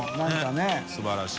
ねぇ素晴らしい。